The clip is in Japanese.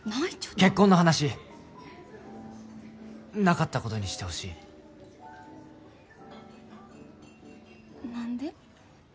結婚の話なかったことにしてほしい何で？